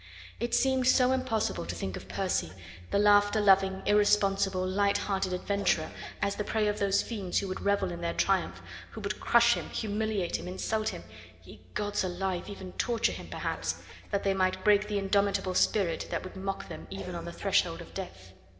It seemed so impossible to think of Percy the laughter loving, irresponsible, light hearted adventurer as the prey of those fiends who would revel in their triumph, who would crush him, humiliate him, insult him ye gods alive! even torture him, perhaps that they might break the indomitable spirit that would mock them even on the threshold of death.